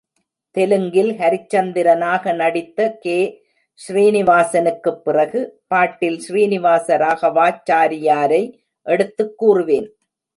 தெலுங்கில் ஹரிச்சந்திரனாக நடித்த கே. ஸ்ரீனிவாசனுக்குப் பிறகு, பாட்டில் ஸ்ரீனிவாச ராகவாச்சாரியாரை எடுத்துக் கூறுவேன்.